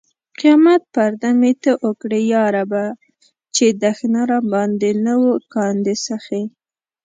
قیامت پرده مې ته اوکړې یا ربه! چې دښنه راباندې نه و کاندي سخې